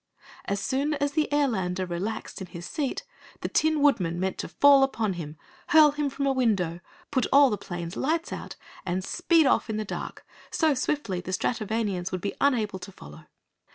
As soon as the Airlander relaxed in his seat, the Tin Woodman meant to fall upon him, hurl him from a window, put all the plane's lights out and speed off in the dark so swiftly the Stratovanians would be unable to follow.